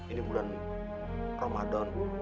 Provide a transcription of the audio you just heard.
ini bulan ramadhan